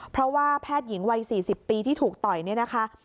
เพราะว่าแพทย์หญิงวัย๔๐ปีที่ถูกต่อยเนี่ยนะคะ